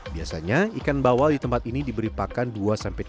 biasanya ikan bawal di tempat ini diberi pakan dua sampai tiga kali